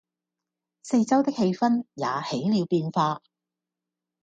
四周的氣氛也起了變化